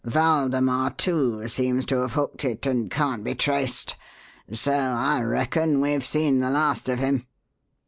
Waldemar, too, seems to have hooked it and can't be traced; so I reckon we've seen the last of him."